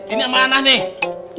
ini amanah nih